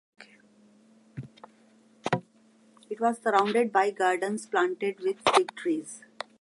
It was surrounded by gardens planted with fig trees.